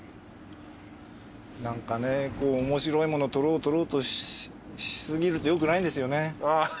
何かね面白いもの撮ろう撮ろうとし過ぎるとよくないんですよね。